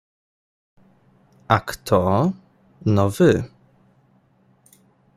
A kto? No wy.